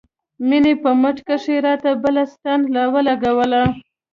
مينې په مټ کښې راته بله ستن راولګوله.